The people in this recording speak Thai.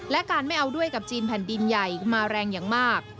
และการไม่เอาด้วยกับจีนแผ่นดินใหญ่มาแรงอย่างมาก